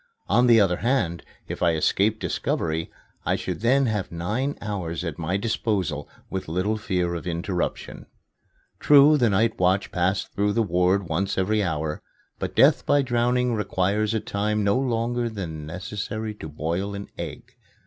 On the other hand, if I escaped discovery, I should then have nine hours at my disposal with little fear of interruption. True, the night watch passed through the ward once every hour. But death by drowning requires a time no longer than that necessary to boil an egg.